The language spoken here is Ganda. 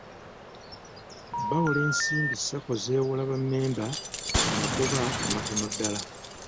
Bawola ensimbi Sacco z'ewa bammemba ku magoba amatono ddala.